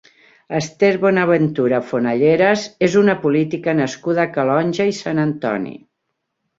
Ester Bonaventura Fonalleras és una política nascuda a Calonge i Sant Antoni.